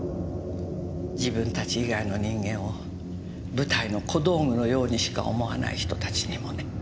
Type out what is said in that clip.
自分たち以外の人間を舞台の小道具のようにしか思わない人たちにもね。